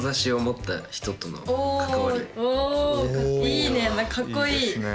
いいねかっこいい。